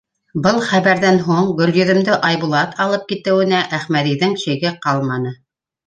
Был хәбәрҙән һуң Гөлйөҙөмдө Айбулат алып китеүенә Әхмәҙиҙең шиге ҡалманы.